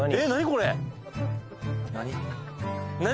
これ何？